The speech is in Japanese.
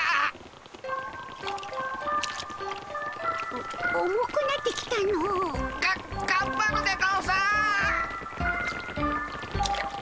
お重くなってきたの。ががんばるでゴンス。